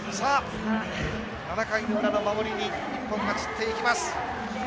７回の裏の守りに日本が散っていきます。